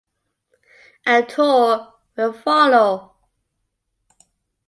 A tour will follow.